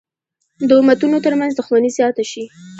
د امتونو تر منځ دښمني زیاته شي.